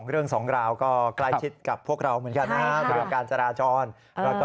๒เรื่อง๒ราวก็ใกล้ชิดกับพวกเราเหมือนกันนะการจราจรแล้ว